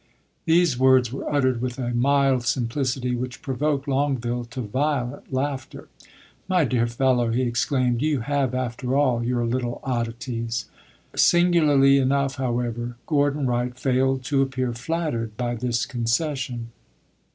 These words were uttered with a mild simplicity which provoked Longueville to violent laughter. "My dear fellow," he exclaimed, "you have, after all, your little oddities." Singularly enough, however, Gordon Wright failed to appear flattered by this concession.